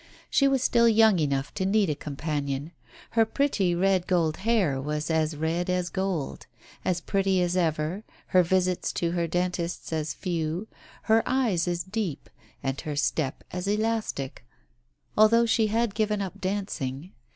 She was still young enough to need a companion. Her pretty red gold hair was as red as gold, as pretty as ever, her visits to her dentist as few, her eyes as deep, and her step as elastic, although she had given up dancing.